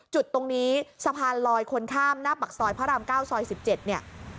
จุดตรงนี้สะพานลอยคนข้ามหน้าปากซอยพระราม๙ซอย๑๗เนี่ย